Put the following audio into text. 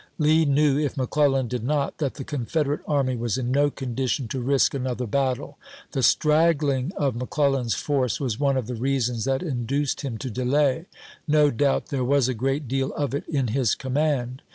Lee knew, if McClellan did not, that the Confederate army was in no condition to risk another battle. The straggling of McClellan's force was one of the reasons that induced him to delay. No doubt there was a great deal of it in his command.